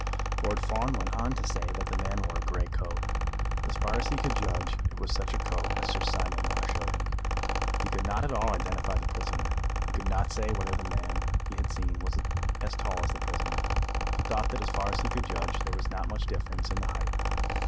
Lord Fawn went on to say that the man wore a grey coat, as far as he could judge it was such a coat as Sir Simon now showed him; he could not at all identify the prisoner; he could not say whether the man he had seen was as tall as the prisoner; he thought that as far as he could judge, there was not much difference in the height.